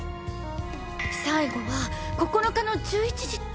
最後は９日の１１時って。